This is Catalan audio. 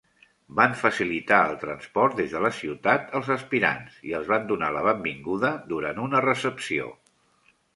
Van facilitar el transport des de la ciutat als aspirants i els van donar la benvinguda durant una recepció.